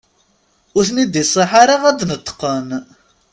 Ur ten-id-iṣaḥ ara ad d-neṭqen.